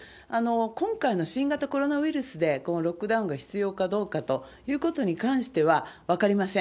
今回の新型コロナウイルスで、このロックダウンが必要かどうかということに関しては分かりません。